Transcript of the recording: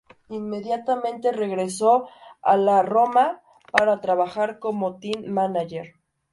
Inmediatamente, regresó a la Roma para trabajar como "team manager".